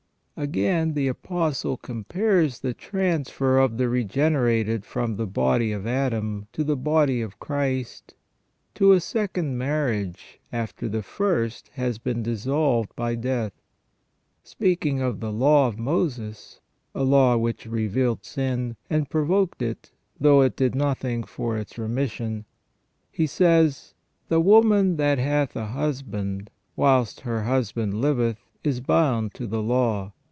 Again the Apostle compares the transfer of the regenerated from the body of Adam to the body of Christ to a second marriage after the first has been dissolved by death. Speaking of the law of Moses, a law which revealed sin, and provoked it, though it did nothing for its remission, he says: "The woman that hath a husband, whilst her husband liveth, is bound to the law.